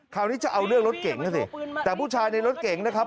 คราวนี้จะเอาเรื่องรถเก่งนะสิแต่ผู้ชายในรถเก่งนะครับ